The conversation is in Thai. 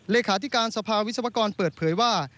เลขาธิการสภาวิศวกรเปิดเผยว่า